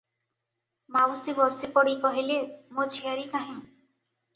ମାଉସୀ ବସିପଡ଼ି କହିଲେ, 'ମୋ ଝିଆରୀ କାହିଁ?